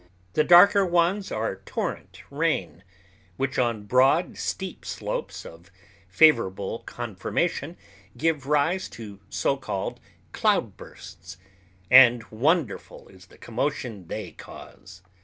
The darker ones are torrent rain, which on broad, steep slopes of favorable conformation give rise to so called "cloudbursts"; and wonderful is the commotion they cause.